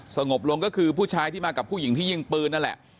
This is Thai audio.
สงบลงก็คือผู้ชายที่มากับผู้หญิงที่ยิงปืนนั่นแหละ